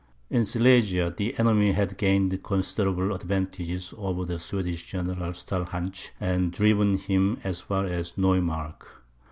In Silesia, the enemy had gained considerable advantages over the Swedish general Stalhantsch, and driven him as far as Neumark.